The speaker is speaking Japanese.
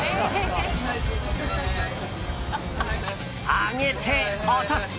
上げて落とす。